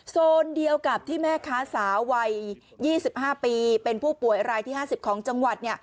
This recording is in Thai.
โซนเดียวกับที่แม่ค้าสาววัย๒๕ปีเป็นผู้ป่วยรายที่๕๐ของจังหวัด